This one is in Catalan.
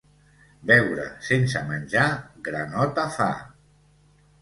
Beure sense menjar granota fa.